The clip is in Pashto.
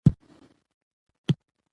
زرکه د جينۍ نوم دے